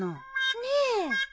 ねえ。